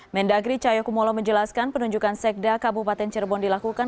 mendagri cahyokumolo menjelaskan penunjukan sekda kabupaten cirebon dilakukan